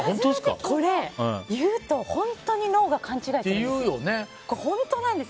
これ、言うと本当に脳が勘違いするんですよ。